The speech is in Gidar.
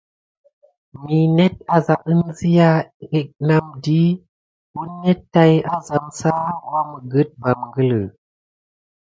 Mi net aza əŋzia nam di, wounet tay azam sa waməget va məngələ.